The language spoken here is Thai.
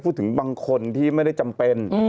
บางคนที่ไม่ได้จำเป็น